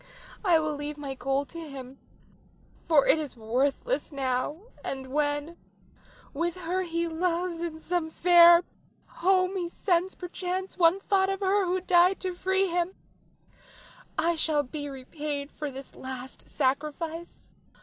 I will leave my gold to him, for it is worthless now; and when, with her he loves in some fair home, he sends perchance one thought of her who died to free him, I shall be repaid for this last sacrifice.